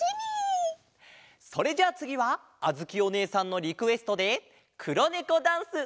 それじゃあつぎはあづきおねえさんのリクエストで「黒ネコダンス」！